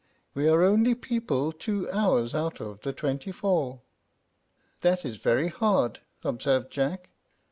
We are only people two hours out of the twenty four." "That is very hard," observed Jack.